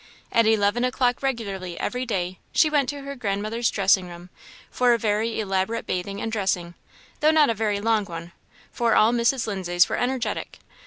At eleven o'clock regularly every day she went to her grandmother's dressing room for a very elaborate bathing and dressing; though not a very long one, for all Mrs. Lindsay's were energetic.